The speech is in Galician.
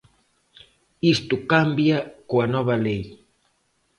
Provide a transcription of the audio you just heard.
Isto cambia coa nova lei.